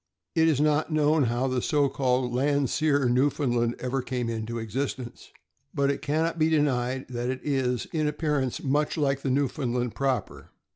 It is not known how the so called Landseer Newfound land ever came into existence, but it can not be denied that it is, in appearance, much like the Newfoundland proper.